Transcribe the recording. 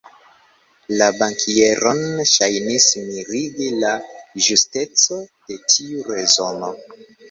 La bankieron ŝajnis mirigi la ĝusteco de tiu rezono.